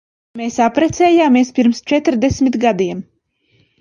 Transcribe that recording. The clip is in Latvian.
Mēs apprecējāmies pirms četrdesmit gadiem.